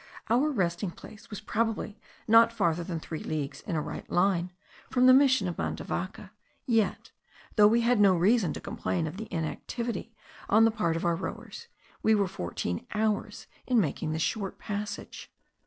Our resting place was probably not farther than three leagues in a right line from the mission of Mandavaca; yet, though we had no reason to complain of inactivity on the part of our rowers, we were fourteen hours in making this short passage.